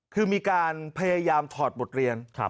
คือมีการพยายามถอดบริเวณครับ